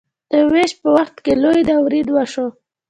د ویش په وخت کې لوی ناورین وشو.